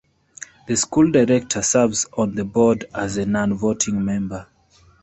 The school director serves on the Board as a non-voting member.